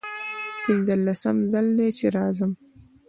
پنځلسم ځل دی چې راځم.